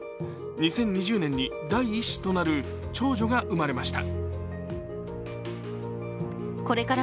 ２０２０年に第１子となる長女が生まれました。